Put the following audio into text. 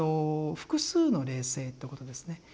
複数の霊性ということですね。